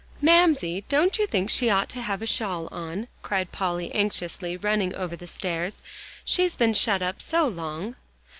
"Mamsie, don't you think she ought to have a shawl on?" cried Polly anxiously, running over the stairs. "She's been shut up so long!"